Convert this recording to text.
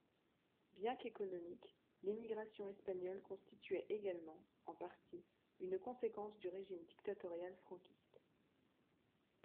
Bien qu'économique, l'émigration espagnole constituait également, en partie, une conséquence du régime dictatorial franquiste.